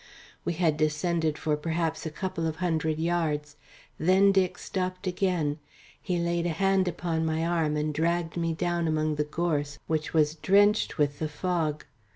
We had descended for perhaps a couple of hundred yards; then Dick stopped again. He laid a hand upon my arm and dragged me down among the gorse, which was drenched with the fog.